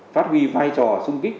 phát huy vai trò xung kích